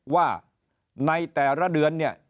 ว่าในแต่ละเดือน